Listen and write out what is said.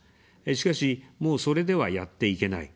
しかし、もう、それでは、やっていけない。